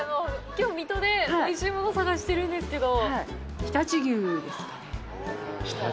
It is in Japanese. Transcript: きょう、水戸でおいしいものを探してるんですけど。